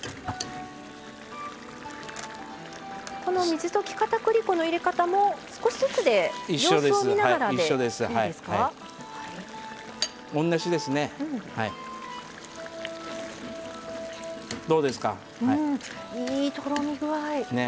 この水溶きかたくり粉の入れ方も少しずつで様子を見ながらでいいですか。